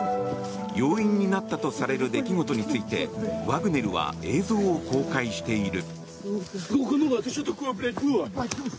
要因になったとされる出来事についてワグネルは映像を公開している。